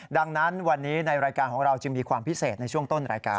ดังนั้นวันนี้ในรายการของเราจึงมีความพิเศษในช่วงต้นรายการ